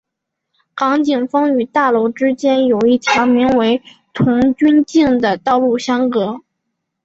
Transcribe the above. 港景峰与大楼之间有一条名为童军径的道路相隔。